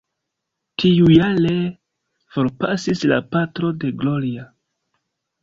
Tiujare, forpasis la patro de Gloria.